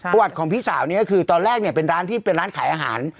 ประวัติของพี่สาวนี้ก็คือตอนแรกเนี่ยเป็นร้านที่เป็นร้านขายอาหาร